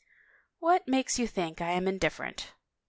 " What makes you think I am indifferent